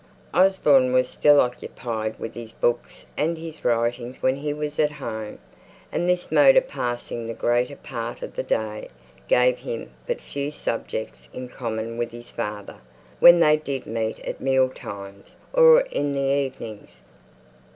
Osborne was still occupied with his books and his writings when he was at home; and this mode of passing the greater part of the day gave him but few subjects in common with his father when they did meet at meal times, or in the evenings.